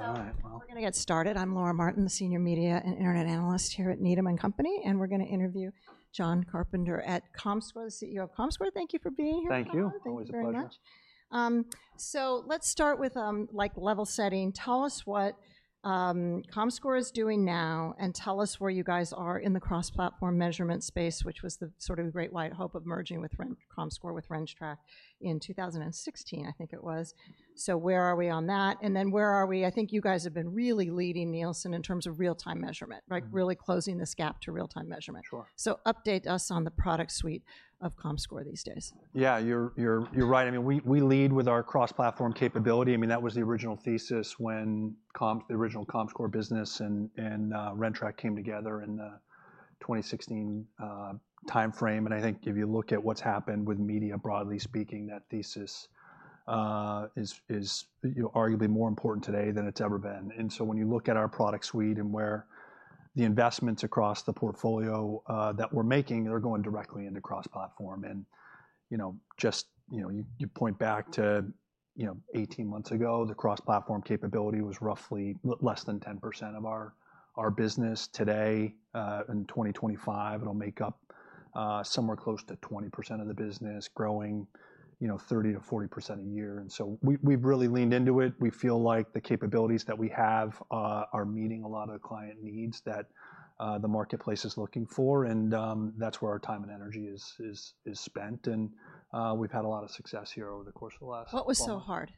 All right, we're going to get started. I'm Laura Martin, Senior Media and Internet Analyst here at Needham & Company, and we're going to interview Jon Carpenter at Comscore, the CEO of Comscore. Thank you for being here. Thank you. Always a pleasure. Let's start with, like, level setting. Tell us what Comscore is doing now, and tell us where you guys are in the cross-platform measurement space, which was the sort of great light hope of merging with Comscore with Rentrak in 2016, I think it was. Where are we on that? And then where are we? I think you guys have been really leading, Nielsen, in terms of real-time measurement, like, really closing this gap to real-time measurement. Sure. Update us on the product suite of Comscore these days. Yeah, you're right. I mean, we lead with our cross-platform capability. I mean, that was the original thesis when the original Comscore business and Rentrak came together in the 2016 timeframe. I think if you look at what's happened with media, broadly speaking, that thesis is arguably more important today than it's ever been. When you look at our product suite and where the investments across the portfolio that we're making, they're going directly into cross-platform. You know, just, you know, you point back to, you know, 18 months ago, the cross-platform capability was roughly less than 10% of our business. Today, in 2025, it'll make up somewhere close to 20% of the business, growing, you know, 30-40% a year. We've really leaned into it. We feel like the capabilities that we have are meeting a lot of client needs that the marketplace is looking for, and that is where our time and energy is spent. We have had a lot of success here over the course of the last. What was so hard?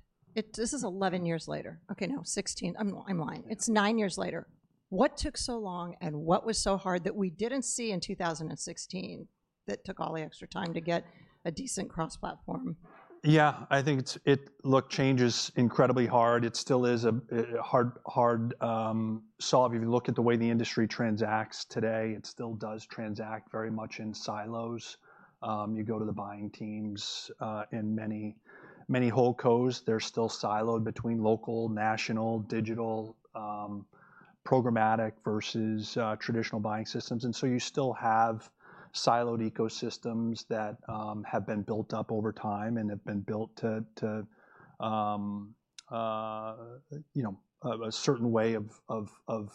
This is 11 years later. Okay, no, 16 years. I'm lying. It's 9 years later. What took so long and what was so hard that we didn't see in 2016 that took all the extra time to get a decent cross-platform? Yeah, I think it changes incredibly hard. It still is a hard solve. If you look at the way the industry transacts today, it still does transact very much in silos. You go to the buying teams in many whole codes, they're still siloed between local, national, digital, programmatic versus traditional buying systems. You still have siloed ecosystems that have been built up over time and have been built to, you know, a certain way of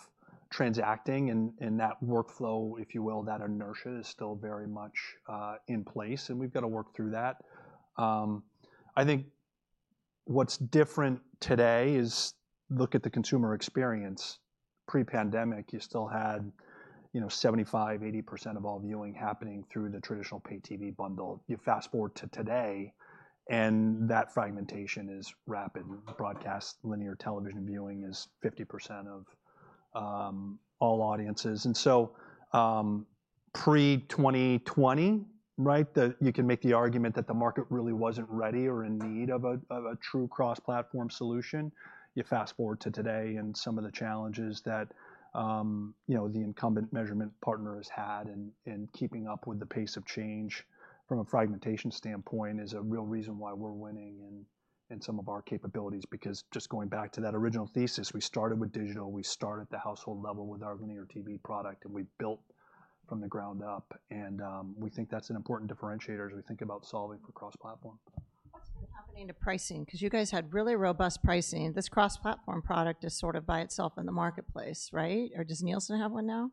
transacting. That workflow, if you will, that inertia is still very much in place, and we've got to work through that. I think what's different today is look at the consumer experience. Pre-pandemic, you still had, you know, 75-80% of all viewing happening through the traditional pay-TV bundle. You fast forward to today, and that fragmentation is rapid. Broadcast linear television viewing is 50% of all audiences. Pre-2020, right, you can make the argument that the market really was not ready or in need of a true cross-platform solution. You fast forward to today and some of the challenges that, you know, the incumbent measurement partner has had, and keeping up with the pace of change from a fragmentation standpoint is a real reason why we are winning in some of our capabilities, because just going back to that original thesis, we started with digital, we started at the household level with our linear TV product, and we built from the ground up. We think that is an important differentiator as we think about solving for cross-platform. What's been happening to pricing? Because you guys had really robust pricing. This cross-platform product is sort of by itself in the marketplace, right? Or does Nielsen have one now?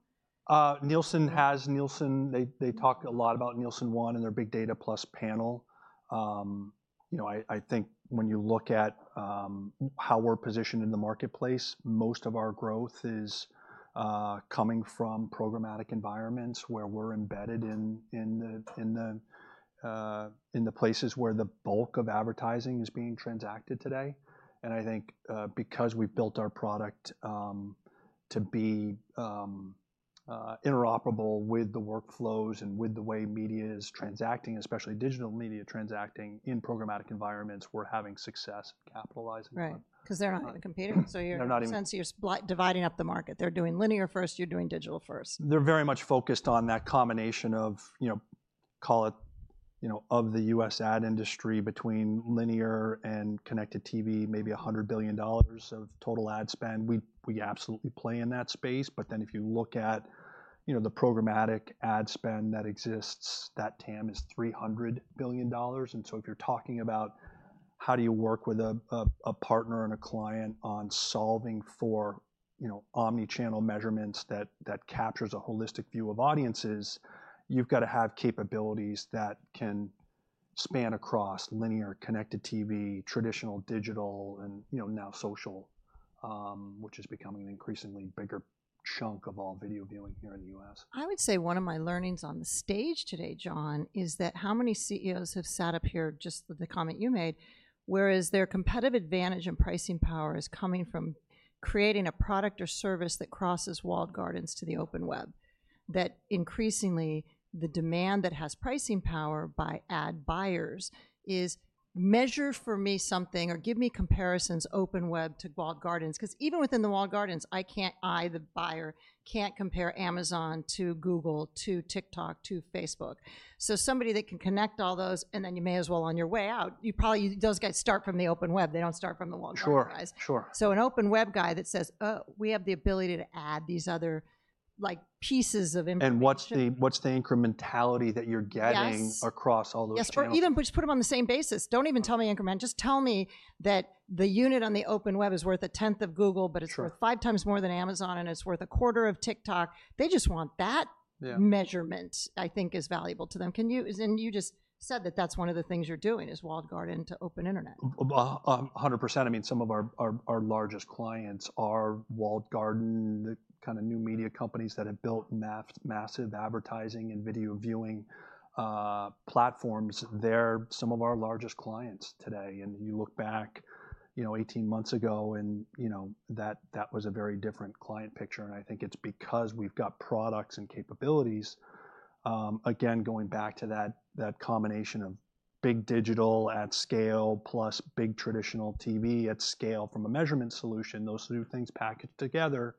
Nielsen has. Nielsen, they talk a lot about NielsenOne and their Big Data Plus panel. You know, I think when you look at how we're positioned in the marketplace, most of our growth is coming from programmatic environments where we're embedded in the places where the bulk of advertising is being transacted today. I think because we've built our product to be interoperable with the workflows and with the way media is transacting, especially digital media transacting in programmatic environments, we're having success capitalizing on that. Right. Because they're not on the computer. So you're in a sense dividing up the market. They're doing linear first, you're doing digital first. They're very much focused on that combination of, you know, call it, you know, of the U.S. ad industry between linear and connected TV, maybe $100 billion of total ad spend. We absolutely play in that space. If you look at, you know, the programmatic ad spend that exists, that TAM is $300 billion. If you're talking about how do you work with a partner and a client on solving for, you know, omnichannel measurements that captures a holistic view of audiences, you've got to have capabilities that can span across linear, connected TV, traditional, digital, and, you know, now social, which is becoming an increasingly bigger chunk of all video viewing here in the U.S. I would say one of my learnings on the stage today, John, is that how many CEOs have sat up here, just the comment you made, whereas their competitive advantage and pricing power is coming from creating a product or service that crosses walled gardens to the open web, that increasingly the demand that has pricing power by ad buyers is measure for me something or give me comparisons open web to walled gardens. Because even within the walled gardens, I, the buyer, can't compare Amazon to Google to TikTok to Facebook. Somebody that can connect all those, and then you may as well on your way out, you probably those guys start from the open web, they don't start from the walled garden guys. Sure. An open web guy that says, "Oh, we have the ability to add these other, like, pieces of. What's the incrementality that you're getting across all those things? Yes. Or even just put them on the same basis. Do not even tell me increment. Just tell me that the unit on the open web is worth a tenth of Google, but it is worth five times more than Amazon, and it is worth a quarter of TikTok. They just want that measurement, I think, is valuable to them. Can you, and you just said that that is one of the things you are doing is walled garden to open internet. 100%. I mean, some of our largest clients are walled garden, the kind of new media companies that have built massive advertising and video viewing platforms. They're some of our largest clients today. You look back, you know, 18 months ago, and, you know, that was a very different client picture. I think it's because we've got products and capabilities. Again, going back to that combination of big digital at scale plus big traditional TV at scale from a measurement solution, those three things packaged together,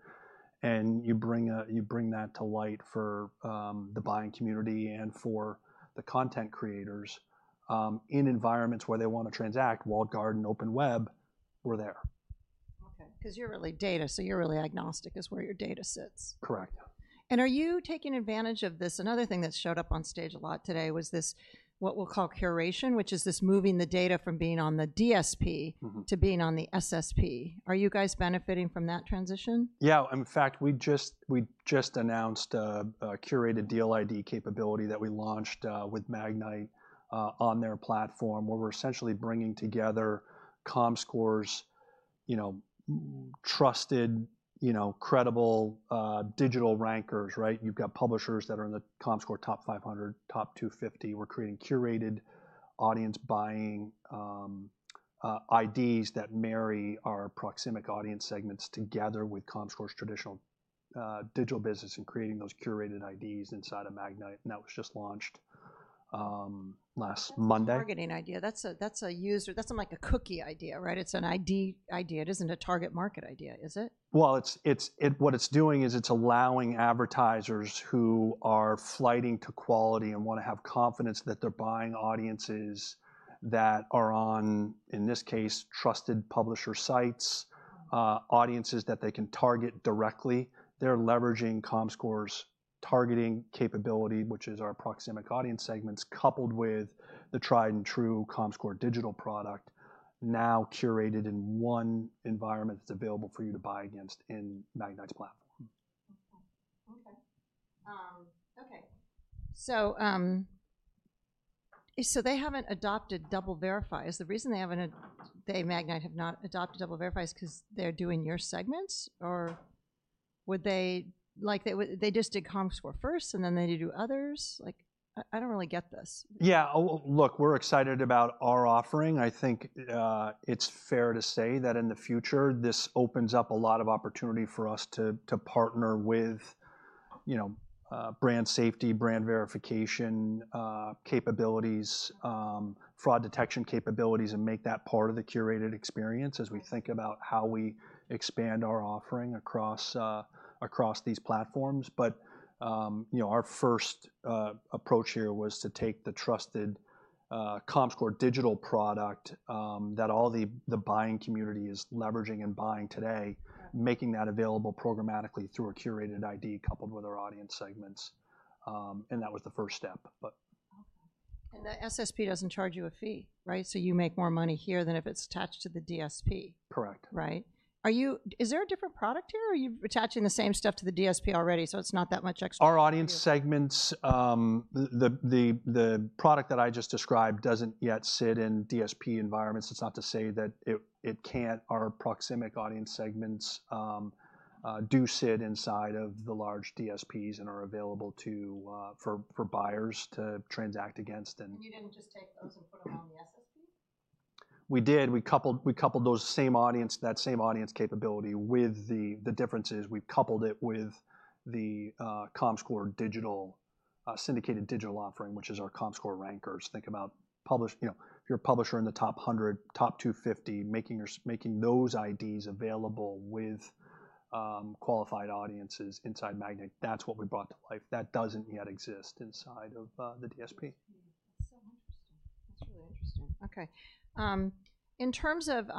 and you bring that to light for the buying community and for the content creators in environments where they want to transact, walled garden, open web, we're there. Okay. Because you're really data, so you're really agnostic is where your data sits. Correct. Are you taking advantage of this? Another thing that showed up on stage a lot today was this what we'll call curation, which is this moving the data from being on the DSP to being on the SSP. Are you guys benefiting from that transition? Yeah. In fact, we just announced a curated deal ID capability that we launched with Magnite on their platform, where we're essentially bringing together Comscore's, you know, trusted, you know, credible digital rankers, right? You've got publishers that are in the Comscore top 500, top 250. We're creating curated audience buying IDs that marry our Proximic audience segments together with Comscore's traditional digital business and creating those curated IDs inside of Magnite. That was just launched last Monday. That's a targeting idea. That's a user, that's not like a cookie idea, right? It's an ID idea. It isn't a target market idea, is it? It is allowing advertisers who are flighting to quality and want to have confidence that they are buying audiences that are on, in this case, trusted publisher sites, audiences that they can target directly. They are leveraging Comscore's targeting capability, which is our Proximic audience segments, coupled with the tried and true Comscore digital product, now curated in one environment that is available for you to buy against in Magnite's platform. Okay. Okay. So they haven't adopted DoubleVerify. Is the reason they haven't, Magnite have not adopted DoubleVerify is because they're doing your segments? Or would they, like, they just did Comscore first and then they do others? Like, I don't really get this. Yeah. Look, we're excited about our offering. I think it's fair to say that in the future, this opens up a lot of opportunity for us to partner with, you know, brand safety, brand verification capabilities, fraud detection capabilities, and make that part of the curated experience as we think about how we expand our offering across these platforms. You know, our first approach here was to take the trusted Comscore digital product that all the buying community is leveraging and buying today, making that available programmatically through a curated ID coupled with our audience segments. That was the first step. The SSP does not charge you a fee, right? You make more money here than if it is attached to the DSP. Correct. Right? Are you, is there a different product here or are you attaching the same stuff to the DSP already so it's not that much extra? Our audience segments, the product that I just described doesn't yet sit in DSP environments. That's not to say that it can't. Our Proximic audience segments do sit inside of the large DSPs and are available to buyers to transact against. You did not just take those and put them on the SSP? We did. We coupled those same audience, that same audience capability with the differences. We have coupled it with the Comscore digital syndicated digital offering, which is our Comscore digital rankers. Think about, you know, if you're a publisher in the top 100, top 250, making those IDs available with qualified audiences inside Magnite, that's what we brought to life. That does not yet exist inside of the DSP. That's so interesting. That's really interesting. Okay. In terms of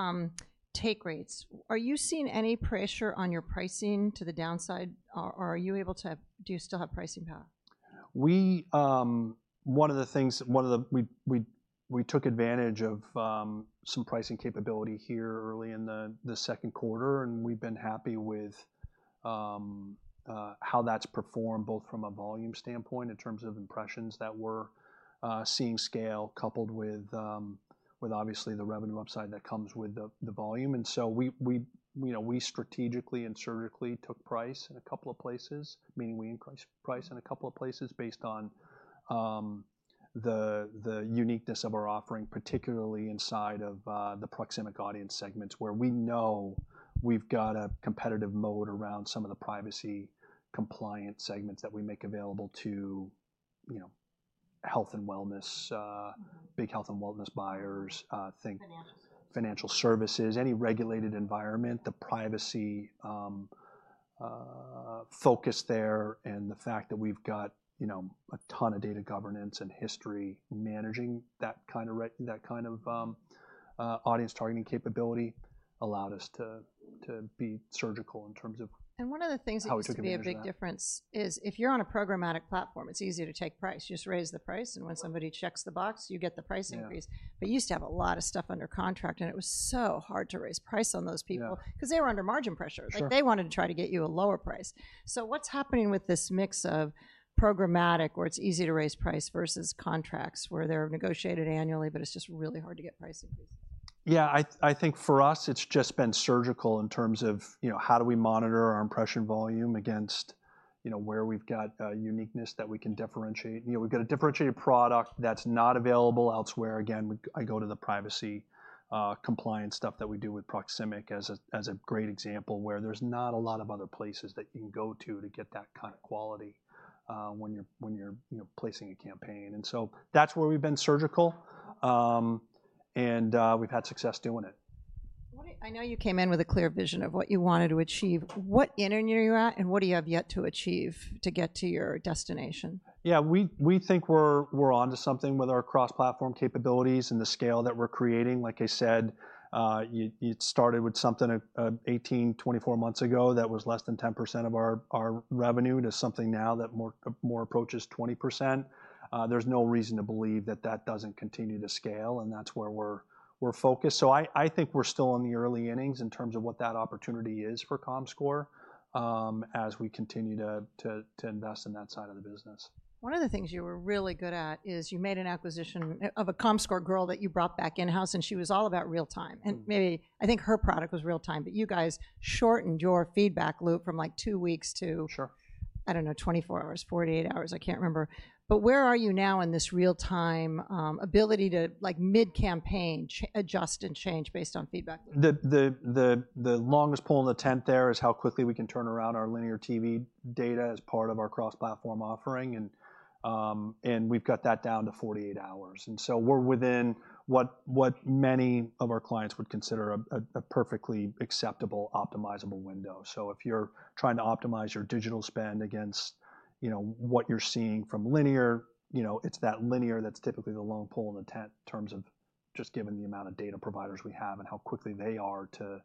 take rates, are you seeing any pressure on your pricing to the downside? Or do you still have pricing power? One of the things, we took advantage of some pricing capability here early in the second quarter, and we've been happy with how that's performed both from a volume standpoint in terms of impressions that we're seeing scale coupled with obviously the revenue upside that comes with the volume. We, you know, we strategically and surgically took price in a couple of places, meaning we increased price in a couple of places based on the uniqueness of our offering, particularly inside of the Proximic audience segments where we know we've got a competitive moat around some of the privacy compliance segments that we make available to, you know, health and wellness, big health and wellness buyers, think financial services, any regulated environment, the privacy focus there, and the fact that we've got, you know, a ton of data governance and history managing that kind of audience targeting capability allowed us to be surgical in terms of. One of the things that used to be a big difference is if you're on a programmatic platform, it's easy to take price. You just raise the price, and when somebody checks the box, you get the price increase. You used to have a lot of stuff under contract, and it was so hard to raise price on those people because they were under margin pressure. They wanted to try to get you a lower price. What is happening with this mix of programmatic where it's easy to raise price versus contracts where they're negotiated annually, but it's just really hard to get price increases? Yeah. I think for us, it's just been surgical in terms of, you know, how do we monitor our impression volume against, you know, where we've got uniqueness that we can differentiate. You know, we've got a differentiated product that's not available elsewhere. Again, I go to the privacy compliance stuff that we do with Proximic as a great example where there's not a lot of other places that you can go to to get that kind of quality when you're placing a campaign. And so that's where we've been surgical, and we've had success doing it. I know you came in with a clear vision of what you wanted to achieve. What ending are you at, and what do you have yet to achieve to get to your destination? Yeah. We think we're on to something with our cross-platform capabilities and the scale that we're creating. Like I said, it started with something 18-24 months ago that was less than 10% of our revenue to something now that more approaches 20%. There's no reason to believe that that doesn't continue to scale, and that's where we're focused. I think we're still in the early innings in terms of what that opportunity is for Comscore as we continue to invest in that side of the business. One of the things you were really good at is you made an acquisition of a Comscore girl that you brought back in-house, and she was all about real-time. And maybe I think her product was real-time, but you guys shortened your feedback loop from like two weeks to, I don't know, 24 hours, 48 hours, I can't remember. But where are you now in this real-time ability to, like, mid-campaign adjust and change based on feedback? The longest pole in the tent there is how quickly we can turn around our linear TV data as part of our cross-platform offering, and we've got that down to 48 hours. We're within what many of our clients would consider a perfectly acceptable, optimizable window. If you're trying to optimize your digital spend against, you know, what you're seeing from linear, you know, it's that linear that's typically the long pole in the tent in terms of just given the amount of data providers we have and how quickly they are to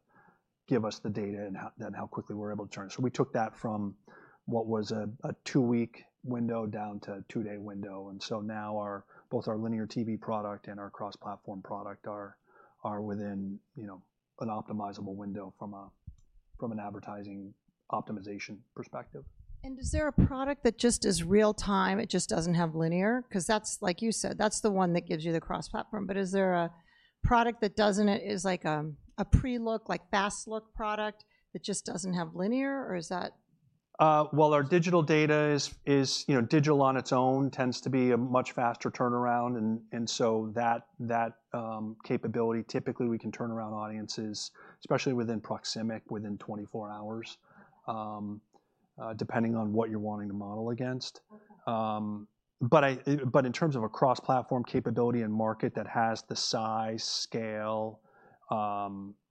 give us the data and then how quickly we're able to turn. We took that from what was a two-week window down to a two-day window. Now both our linear TV product and our cross-platform product are within, you know, an optimizable window from an advertising optimization perspective. Is there a product that just is real-time? It just doesn't have linear? Because that's, like you said, that's the one that gives you the cross-platform. Is there a product that doesn't, is like a pre-look, like fast-look product that just doesn't have linear? Or is that? Our digital data is, you know, digital on its own tends to be a much faster turnaround. And so that capability, typically we can turn around audiences, especially within Proximic, within 24 hours, depending on what you're wanting to model against. But in terms of a cross-platform capability and market that has the size, scale,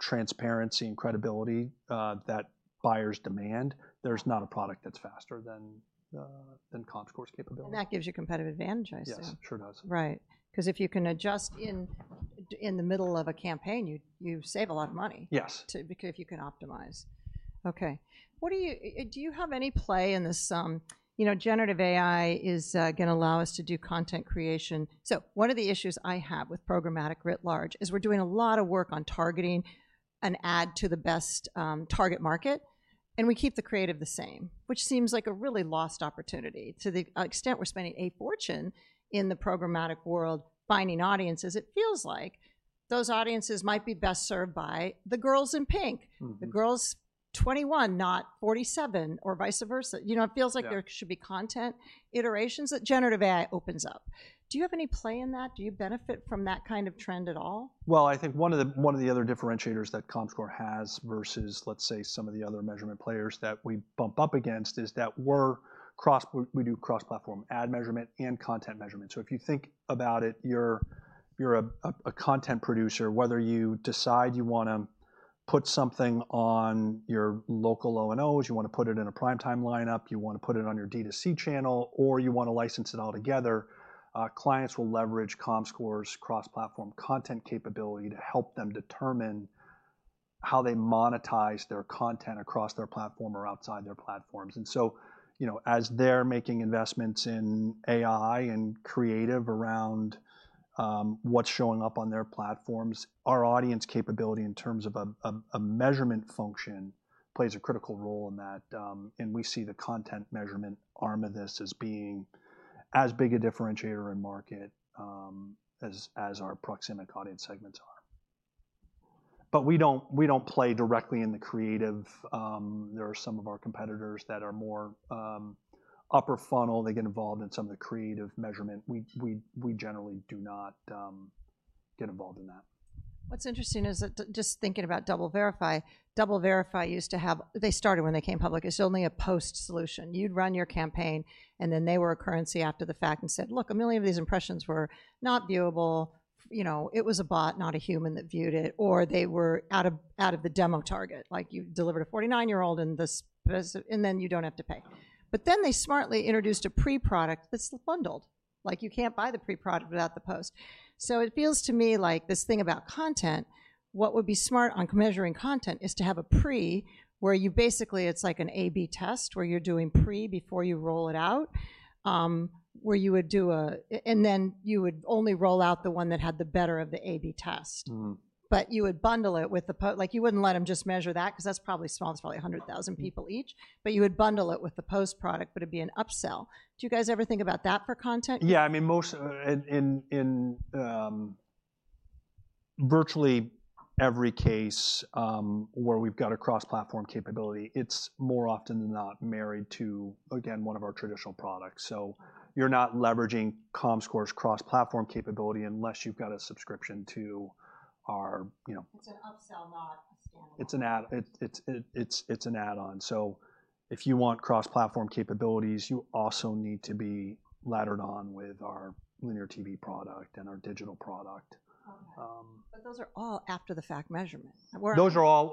transparency, and credibility that buyers demand, there's not a product that's faster than Comscore's capability. That gives you competitive advantage, I assume. Yes, sure does. Right. Because if you can adjust in the middle of a campaign, you save a lot of money. Yes. If you can optimize. Okay. Do you have any play in this, you know, generative AI is going to allow us to do content creation? One of the issues I have with programmatic writ large is we're doing a lot of work on targeting an ad to the best target market, and we keep the creative the same, which seems like a really lost opportunity. To the extent we're spending a fortune in the programmatic world finding audiences, it feels like those audiences might be best served by the girls in pink, the girls 21, not 47, or vice versa. You know, it feels like there should be content iterations that generative AI opens up. Do you have any play in that? Do you benefit from that kind of trend at all? I think one of the other differentiators that Comscore has versus, let's say, some of the other measurement players that we bump up against is that we do cross-platform ad measurement and content measurement. If you think about it, you're a content producer, whether you decide you want to put something on your local O&Os, you want to put it in a prime-time lineup, you want to put it on your D2C channel, or you want to license it all together, clients will leverage Comscore's cross-platform content capability to help them determine how they monetize their content across their platform or outside their platforms. You know, as they're making investments in AI and creative around what's showing up on their platforms, our audience capability in terms of a measurement function plays a critical role in that. We see the content measurement arm of this as being as big a differentiator in market as our Proximic audience segments are. We do not play directly in the creative. There are some of our competitors that are more upper funnel. They get involved in some of the creative measurement. We generally do not get involved in that. What's interesting is that just thinking about DoubleVerify, DoubleVerify used to have, they started when they came public, it's only a post solution. You'd run your campaign, and then they were a currency after the fact and said, "Look, a million of these impressions were not viewable. You know, it was a bot, not a human that viewed it," or they were out of the demo target. Like you delivered a 49-year-old and then you don't have to pay. But then they smartly introduced a pre-product that's bundled. Like you can't buy the pre-product without the post. It feels to me like this thing about content, what would be smart on measuring content is to have a pre where you basically, it's like an A/B test where you're doing pre before you roll it out, where you would do a, and then you would only roll out the one that had the better of the A/B test. You would bundle it with the post. You wouldn't let them just measure that because that's probably small, it's probably 100,000 people each, but you would bundle it with the post product, but it'd be an upsell. Do you guys ever think about that for content? Yeah. I mean, virtually every case where we've got a cross-platform capability, it's more often than not married to, again, one of our traditional products. So you're not leveraging Comscore's cross-platform capability unless you've got a subscription to our, you know. It's an upsell, not a standalone. It's an add-on. If you want cross-platform capabilities, you also need to be laddered on with our linear TV product and our digital product. Those are all after-the-fact measurement. Those are all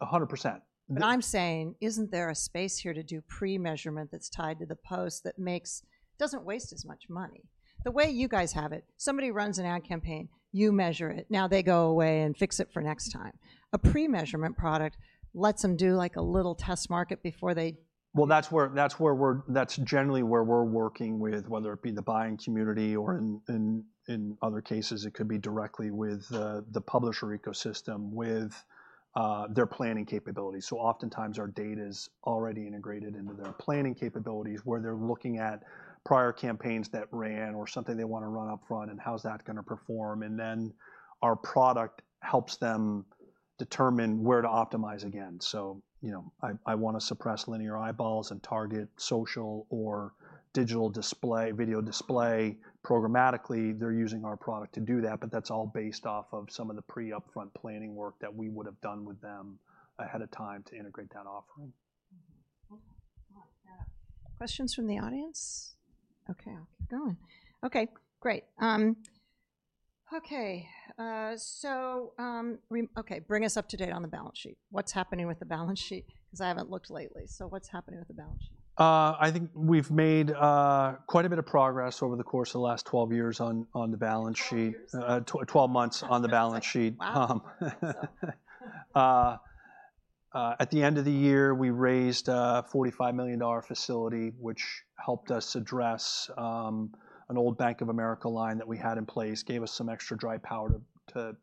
100%. I'm saying, isn't there a space here to do pre-measurement that's tied to the post that makes, doesn't waste as much money? The way you guys have it, somebody runs an ad campaign, you measure it. Now they go away and fix it for next time. A pre-measurement product lets them do like a little test market before they. That's generally where we're working with, whether it be the buying community or in other cases, it could be directly with the publisher ecosystem with their planning capability. Oftentimes our data is already integrated into their planning capabilities where they're looking at prior campaigns that ran or something they want to run upfront and how's that going to perform. Our product helps them determine where to optimize again. You know, I want to suppress linear eyeballs and target social or digital display, video display programmatically. They're using our product to do that, but that's all based off of some of the pre-upfront planning work that we would have done with them ahead of time to integrate that offering. Questions from the audience? Okay. I'll keep going. Okay. Great. Okay, bring us up to date on the balance sheet. What's happening with the balance sheet? Because I haven't looked lately. What's happening with the balance sheet? I think we've made quite a bit of progress over the course of the last 12 years on the balance sheet, 12 months on the balance sheet. At the end of the year, we raised a $45 million facility, which helped us address an old Bank of America line that we had in place, gave us some extra dry power to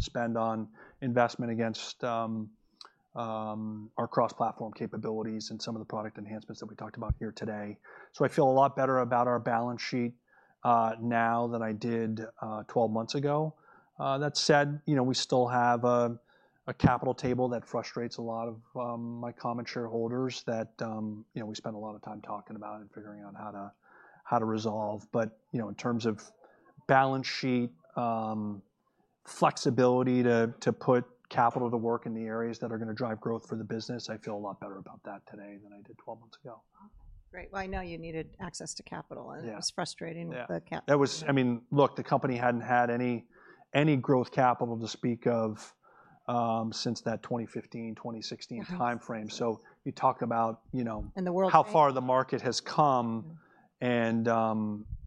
spend on investment against our cross-platform capabilities and some of the product enhancements that we talked about here today. I feel a lot better about our balance sheet now than I did 12 months ago. That said, you know, we still have a capital table that frustrates a lot of my common shareholders that, you know, we spent a lot of time talking about and figuring out how to resolve. You know, in terms of balance sheet, flexibility to put capital to work in the areas that are going to drive growth for the business, I feel a lot better about that today than I did 12 months ago. Great. I know you needed access to capital, and it was frustrating with the capital. I mean, look, the company hadn't had any growth capital to speak of since that 2015, 2016 timeframe. You talk about, you know, how far the market has come.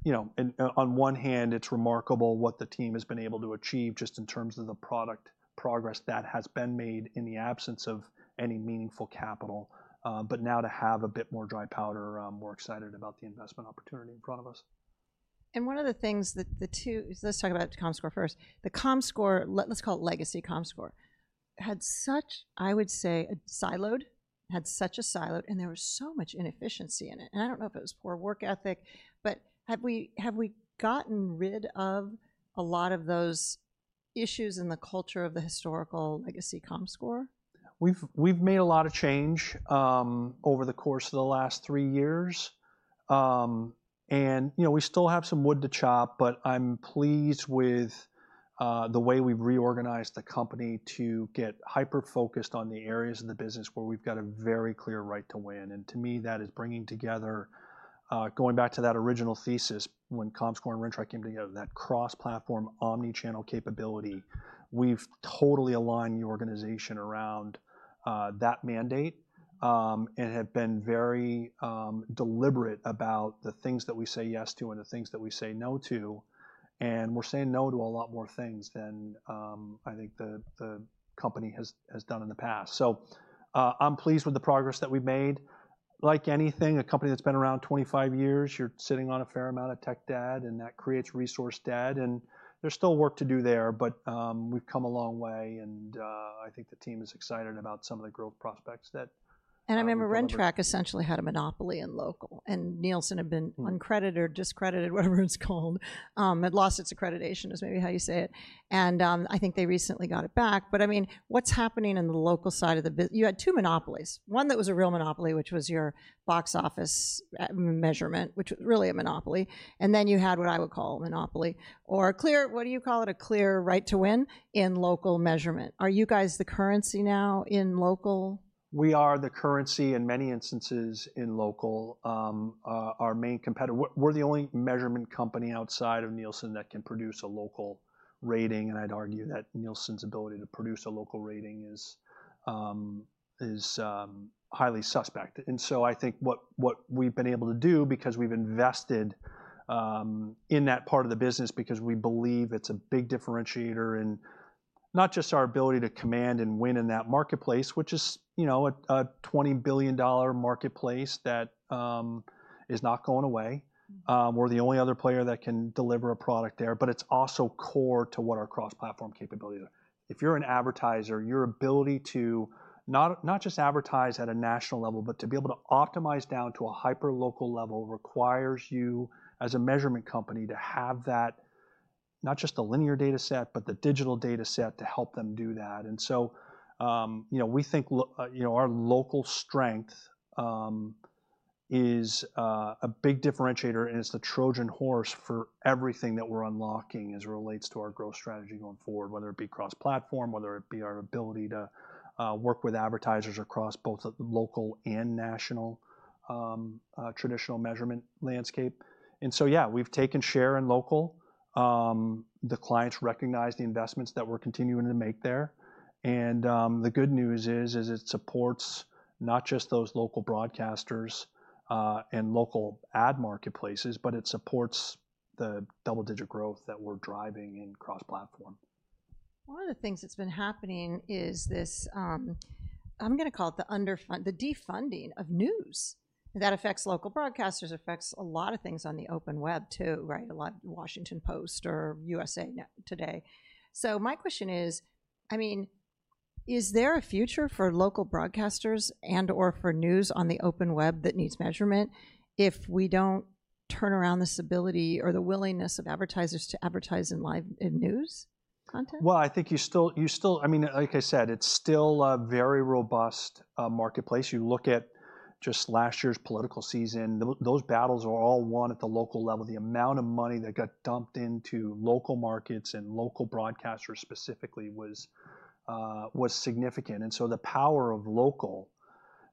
You know, on one hand, it's remarkable what the team has been able to achieve just in terms of the product progress that has been made in the absence of any meaningful capital. Now to have a bit more dry powder, we're excited about the investment opportunity in front of us. One of the things that the two, let's talk about Comscore first. The Comscore, let's call it legacy Comscore, had such, I would say, a siloed, had such a siloed, and there was so much inefficiency in it. I don't know if it was poor work ethic, but have we gotten rid of a lot of those issues in the culture of the historical legacy Comscore? We've made a lot of change over the course of the last three years. You know, we still have some wood to chop, but I'm pleased with the way we've reorganized the company to get hyper-focused on the areas of the business where we've got a very clear right to win. To me, that is bringing together, going back to that original thesis when Comscore and Rentrak came together, that cross-platform omnichannel capability. We've totally aligned the organization around that mandate and have been very deliberate about the things that we say yes to and the things that we say no to. We're saying no to a lot more things than I think the company has done in the past. I'm pleased with the progress that we've made. Like anything, a company that's been around 25 years, you're sitting on a fair amount of tech debt, and that creates resource debt. There's still work to do there, but we've come a long way. I think the team is excited about some of the growth prospects that. I remember Rentrak essentially had a monopoly in local, and Nielsen had been uncredited or discredited, whatever it's called, had lost its accreditation is maybe how you say it. I think they recently got it back. I mean, what's happening in the local side of the business? You had two monopolies. One that was a real monopoly, which was your box office measurement, which was really a monopoly. Then you had what I would call a monopoly. Or a clear, what do you call it? A clear right to win in local measurement. Are you guys the currency now in local? We are the currency in many instances in local. Our main competitor, we're the only measurement company outside of Nielsen that can produce a local rating. I'd argue that Nielsen's ability to produce a local rating is highly suspect. I think what we've been able to do, because we've invested in that part of the business, because we believe it's a big differentiator in not just our ability to command and win in that marketplace, which is, you know, a $20 billion marketplace that is not going away. We're the only other player that can deliver a product there, but it's also core to what our cross-platform capability is. If you're an advertiser, your ability to not just advertise at a national level, but to be able to optimize down to a hyper-local level requires you as a measurement company to have that, not just the linear data set, but the digital data set to help them do that. You know, we think, you know, our local strength is a big differentiator, and it's the Trojan horse for everything that we're unlocking as it relates to our growth strategy going forward, whether it be cross-platform, whether it be our ability to work with advertisers across both local and national traditional measurement landscape. Yeah, we've taken share in local. The clients recognize the investments that we're continuing to make there. The good news is, it supports not just those local broadcasters and local ad marketplaces, but it supports the double-digit growth that we're driving in cross-platform. One of the things that's been happening is this, I'm going to call it the defunding of news that affects local broadcasters, affects a lot of things on the open web too, right? A lot of Washington Post or USA Today. So my question is, I mean, is there a future for local broadcasters and/or for news on the open web that needs measurement if we don't turn around this ability or the willingness of advertisers to advertise in live news content? I think you still, I mean, like I said, it's still a very robust marketplace. You look at just last year's political season, those battles were all won at the local level. The amount of money that got dumped into local markets and local broadcasters specifically was significant. The power of local,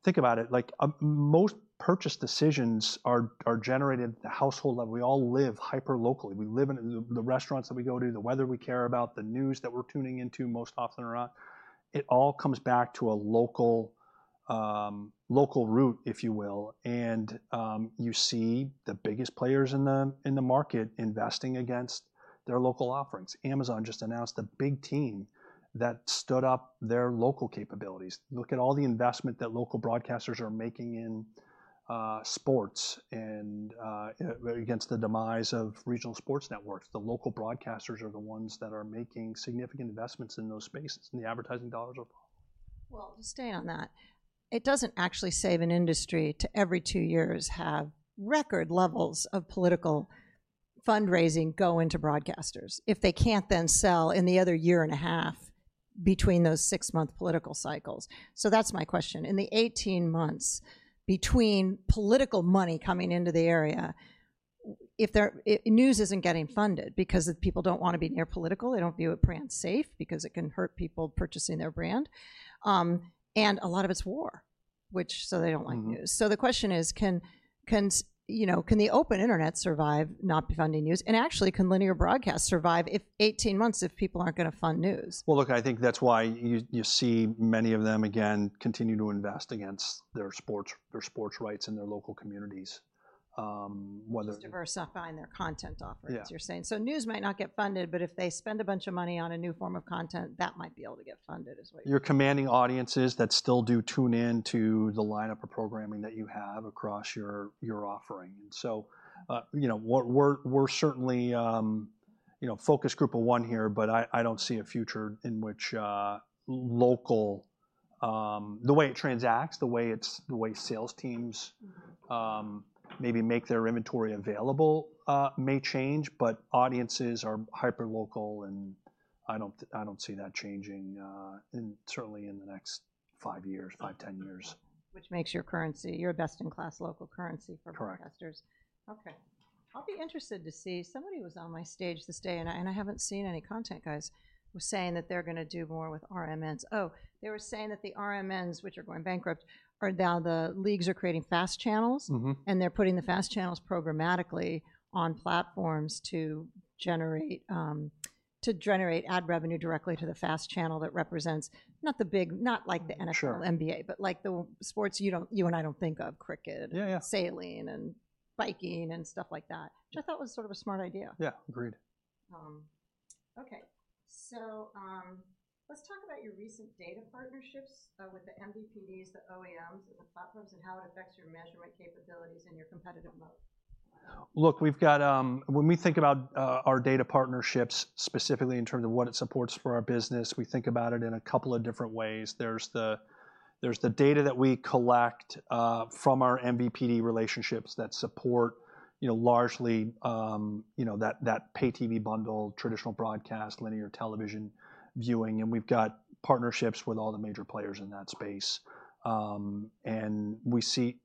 think about it, like most purchase decisions are generated at the household level. We all live hyper-locally. We live in the restaurants that we go to, the weather we care about, the news that we're tuning into most often or not. It all comes back to a local root, if you will. You see the biggest players in the market investing against their local offerings. Amazon just announced a big team that stood up their local capabilities. Look at all the investment that local broadcasters are making in sports and against the demise of regional sports networks. The local broadcasters are the ones that are making significant investments in those spaces, and the advertising dollars are falling. We'll stay on that. It doesn't actually save an industry to every two years have record levels of political fundraising go into broadcasters if they can't then sell in the other year and a half between those six-month political cycles. That's my question. In the 18 months between political money coming into the area, if news isn't getting funded because people don't want to be near political, they don't view it brand safe because it can hurt people purchasing their brand. A lot of it's war, which, so they don't like news. The question is, can the open internet survive not funding news? Actually, can linear broadcast survive 18 months if people aren't going to fund news? I think that's why you see many of them again continue to invest against their sports rights in their local communities. It's diversifying their content offerings, you're saying. News might not get funded, but if they spend a bunch of money on a new form of content, that might be able to get funded as well. You're commanding audiences that still do tune into the lineup of programming that you have across your offering. You know, we're certainly, you know, focus group of one here, but I don't see a future in which local, the way it transacts, the way sales teams maybe make their inventory available may change, but audiences are hyper-local and I don't see that changing certainly in the next five years, five, ten years. Which makes your currency, your best-in-class local currency for broadcasters. Correct. Okay. I'll be interested to see. Somebody was on my stage this day and I haven't seen any content, guys, was saying that they're going to do more with RMNs. Oh, they were saying that the RMNs, which are going bankrupt, are now the leagues are creating FAST channels and they're putting the FAST channels programmatically on platforms to generate ad revenue directly to the FAST channel that represents not the big, not like the NFL, NBA, but like the sports you and I don't think of, cricket, sailing, and biking and stuff like that, which I thought was sort of a smart idea. Yeah, agreed. Okay. So let's talk about your recent data partnerships with the MVPDs, the OEMs, and the platforms and how it affects your measurement capabilities in your competitive mode. Look, we've got, when we think about our data partnerships specifically in terms of what it supports for our business, we think about it in a couple of different ways. There's the data that we collect from our MVPD relationships that support, you know, largely, you know, that pay TV bundle, traditional broadcast, linear television viewing. And we've got partnerships with all the major players in that space. We see,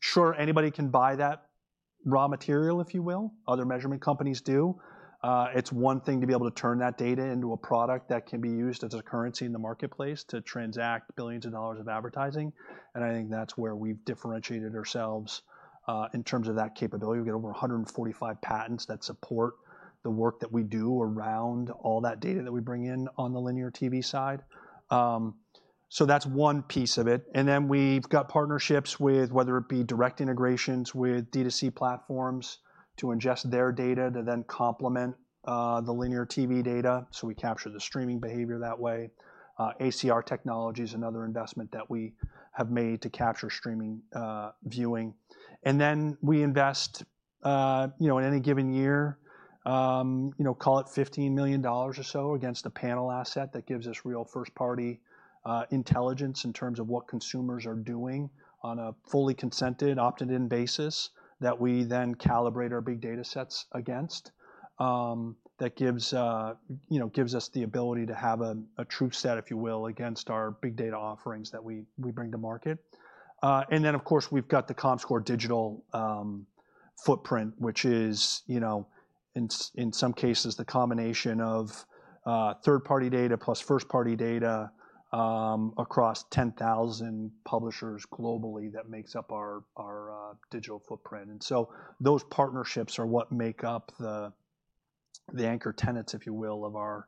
sure, anybody can buy that raw material, if you will. Other measurement companies do. It's one thing to be able to turn that data into a product that can be used as a currency in the marketplace to transact billions of dollars of advertising. I think that's where we've differentiated ourselves in terms of that capability. We've got over 145 patents that support the work that we do around all that data that we bring in on the linear TV side. That is one piece of it. We've got partnerships with, whether it be direct integrations with D2C platforms to ingest their data to then complement the linear TV data. We capture the streaming behavior that way. ACR technology is another investment that we have made to capture streaming viewing. We invest, you know, in any given year, you know, call it $15 million or so against a panel asset that gives us real first-party intelligence in terms of what consumers are doing on a fully consented, opted-in basis that we then calibrate our big data sets against. That gives, you know, gives us the ability to have a true set, if you will, against our big data offerings that we bring to market. Of course, we have got the Comscore digital footprint, which is, you know, in some cases, the combination of third-party data plus first-party data across 10,000 publishers globally that makes up our digital footprint. Those partnerships are what make up the anchor tenets, if you will, of our,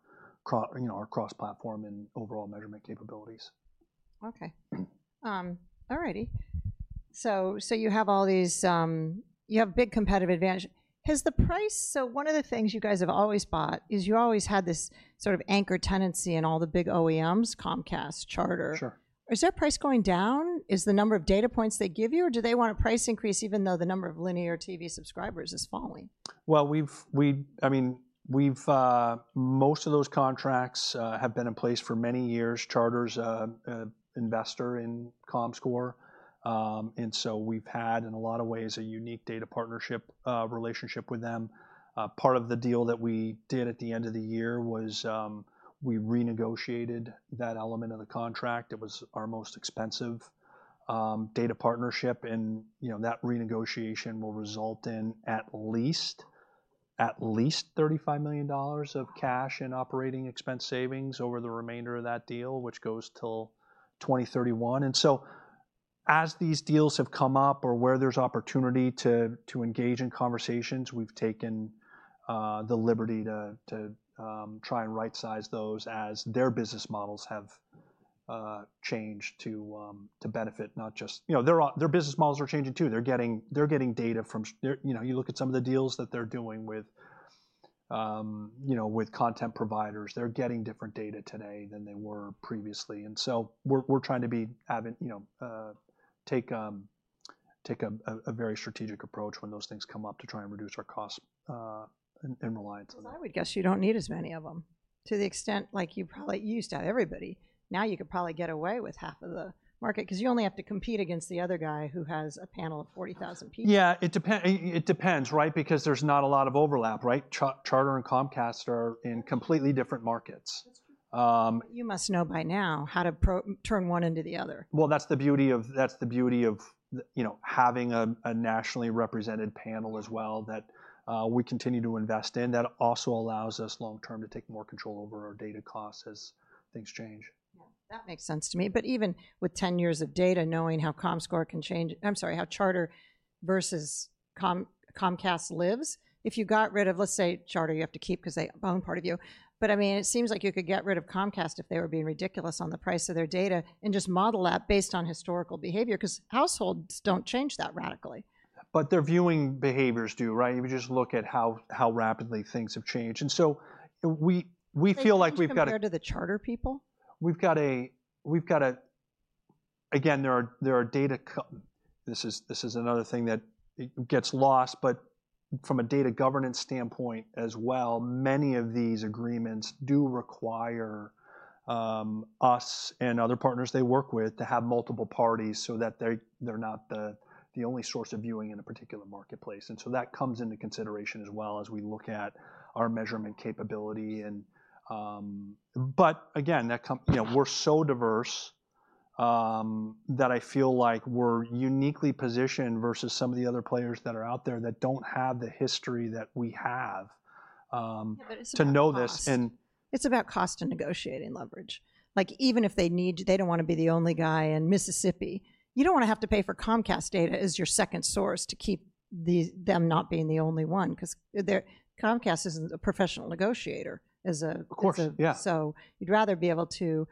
you know, our cross-platform and overall measurement capabilities. Okay. All righty. So you have all these, you have big competitive advantage. Has the price, so one of the things you guys have always bought is you always had this sort of anchor tenancy in all the big OEMs, Comcast, Charter. Is their price going down? Is the number of data points they give you, or do they want a price increase even though the number of linear TV subscribers is falling? I mean, most of those contracts have been in place for many years. Charter's an investor in Comscore. And so we've had, in a lot of ways, a unique data partnership relationship with them. Part of the deal that we did at the end of the year was we renegotiated that element of the contract. It was our most expensive data partnership. You know, that renegotiation will result in at least $35 million of cash and operating expense savings over the remainder of that deal, which goes till 2031. As these deals have come up or where there's opportunity to engage in conversations, we've taken the liberty to try and right-size those as their business models have changed to benefit, not just, you know, their business models are changing too. They're getting data from, you know, you look at some of the deals that they're doing with, you know, with content providers, they're getting different data today than they were previously. We are trying to be, you know, take a very strategic approach when those things come up to try and reduce our costs and reliance on them. Because I would guess you do not need as many of them to the extent, like you probably used to have everybody. Now you could probably get away with half of the market because you only have to compete against the other guy who has a panel of 40,000 people. Yeah, it depends, right? Because there's not a lot of overlap, right? Charter and Comcast are in completely different markets. You must know by now how to turn one into the other. That's the beauty of, you know, having a nationally represented panel as well that we continue to invest in that also allows us long-term to take more control over our data costs as things change. Yeah, that makes sense to me. Even with 10 years of data knowing how Comscore can change, I'm sorry, how Charter versus Comcast lives, if you got rid of, let's say, Charter, you have to keep because they own part of you. I mean, it seems like you could get rid of Comcast if they were being ridiculous on the price of their data and just model that based on historical behavior because households don't change that radically. Their viewing behaviors do, right? If you just look at how rapidly things have changed. And so we feel like we've got. Have you compared to the Charter people? We've got, again, there are data, this is another thing that gets lost, but from a data governance standpoint as well, many of these agreements do require us and other partners they work with to have multiple parties so that they're not the only source of viewing in a particular marketplace. That comes into consideration as well as we look at our measurement capability. Again, you know, we're so diverse that I feel like we're uniquely positioned versus some of the other players that are out there that don't have the history that we have to know this. It's about cost and negotiating leverage. Like even if they need, they don't want to be the only guy in Mississippi, you don't want to have to pay for Comcast data as your second source to keep them not being the only one because Comcast isn't a professional negotiator as a person. Of course, yeah. You'd rather be able to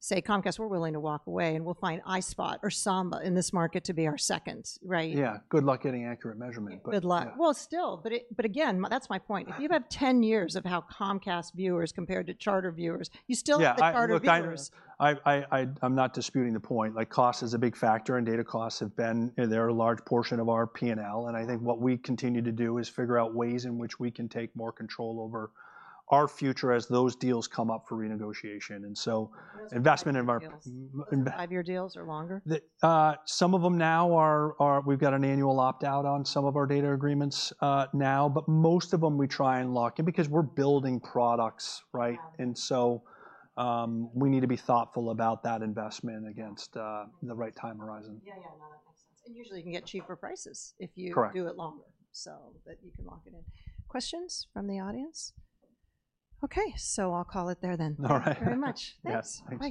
say, Comcast, we're willing to walk away and we'll find iSpot or Samba in this market to be our second, right? Yeah, good luck getting accurate measurement. Good luck. Still, but again, that's my point. If you have 10 years of how Comcast viewers compared to Charter viewers, you still have the Charter viewers. Yeah, I'm not disputing the point. Like cost is a big factor and data costs have been, they're a large portion of our P&L. I think what we continue to do is figure out ways in which we can take more control over our future as those deals come up for renegotiation. Investment in. Five-year deals are longer. Some of them now are, we've got an annual opt-out on some of our data agreements now, but most of them we try and lock in because we're building products, right? We need to be thoughtful about that investment against the right time horizon. Yeah, yeah, no, that makes sense. Usually you can get cheaper prices if you do it longer so that you can lock it in. Questions from the audience? Okay, I'll call it there then. All right. Thank you very much. Yes. Thanks.